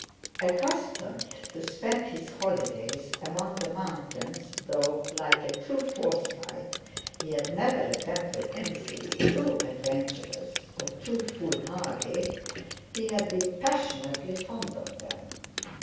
Accustomed to spend his holidays among the mountains, though (like a true Forsyte) he had never attempted anything too adventurous or too foolhardy, he had been passionately fond of them.